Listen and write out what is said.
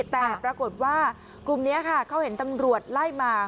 แต่ปรากฏว่ากลุ่มนี้ค่ะเขาเห็นตำรวจไล่มา